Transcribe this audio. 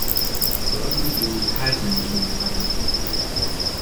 او دورتر زندگی میکند.